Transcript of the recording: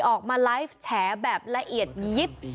ออกมาไลฟ์แฉแบบละเอียดยิบ